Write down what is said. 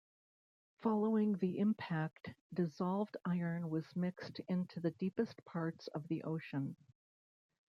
Following the impact dissolved iron was mixed into the deepest parts of the ocean.